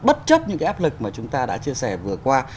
bất chấp những cái áp lực mà chúng ta đã chia sẻ vừa qua